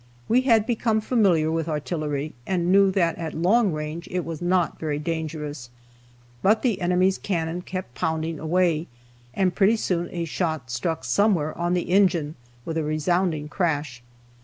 We had become familiar with artillery and knew that at long range it was not very dangerous. But the enemy's cannon kept pounding away, and pretty soon a shot struck somewhere on the engine with a resounding crash.